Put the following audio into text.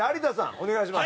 お願いします。